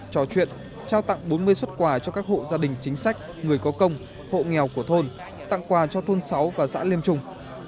trò chuyện trao tặng bốn mươi xuất quà cho các hộ gia đình chính sách người có công hộ nghèo của thôn tặng quà cho thôn sáu và xã liêm trung